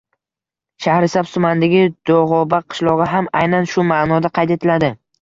Shahrisabz tumanidagi Dug‘oba qishlog‘i ham aynan shu ma’noda qayd etiladi.